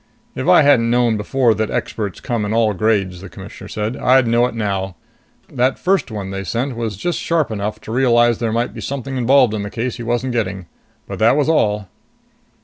"If I hadn't known before that experts come in all grades," the Commissioner said, "I'd know it now. That first one they sent was just sharp enough to realize there might be something involved in the case he wasn't getting. But that was all."